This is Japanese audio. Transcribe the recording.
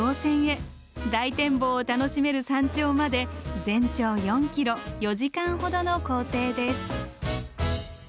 大展望を楽しめる山頂まで全長４ｋｍ４時間ほどの行程です。